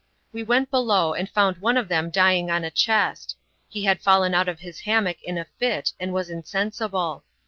We went below, and found one of them djring on a chest. He had fallen out of his hammock in a fit, and was insensible.